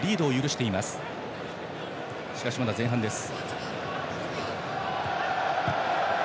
しかしまだ前半です。